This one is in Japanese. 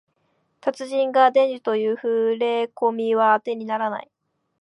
達人が伝授とかいうふれこみはあてにならない